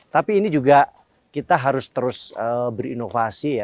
tapi ini juga kita harus terus berinovasi ya